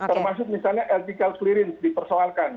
termasuk misalnya eltical clearance dipersoalkan